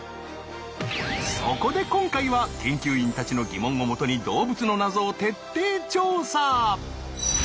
そこで今回は研究員たちの疑問をもとに動物の謎を徹底調査！